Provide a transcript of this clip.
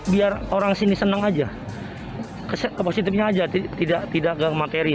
biar orang sini senang saja ke positifnya saja tidak ke materi